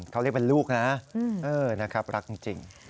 เขาเรียกเป็นลูกนะรักจริง